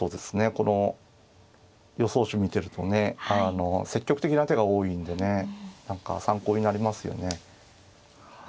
この予想手見てるとね積極的な手が多いんでね何か参考になりますよね。